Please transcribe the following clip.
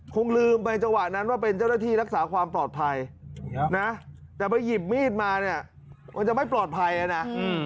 คงลืมไปจังหวะนั้นว่าเป็นเจ้าหน้าที่รักษาความปลอดภัยนะแต่ไปหยิบมีดมาเนี่ยมันจะไม่ปลอดภัยนะ